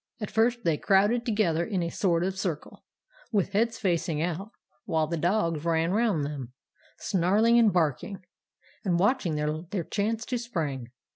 "At first they crowded together in a sort of circle, with heads facing out; while the dogs ran round them, snarling and barking, and watching their chance to spring.